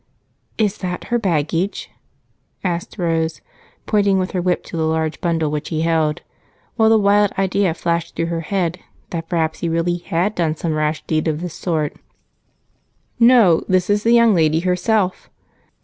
"Is that her baggage?" asked Rose, pointing with her whip to the large bundle which he held while the wild idea flashed through her head that perhaps he really had done some rash deed of this sort. "No, this is the young lady herself."